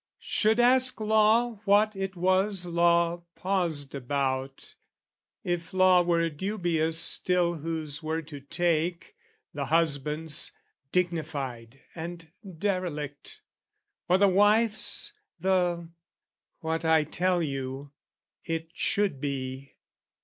Should ask law what it was law paused about If law were dubious still whose word to take, The husband's dignified and derelict, Or the wife's the...what I tell you. It should be.